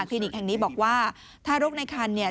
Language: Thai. นิกแห่งนี้บอกว่าทารกในคันเนี่ย